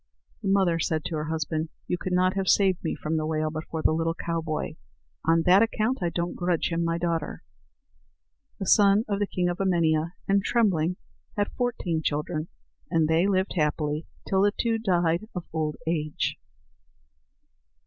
The mother said to her husband: "You could not have saved me from the whale but for the little cowboy; on that account I don't grudge him my daughter." The son of the king of Emania and Trembling had fourteen children, and they lived happily till the two died of old age.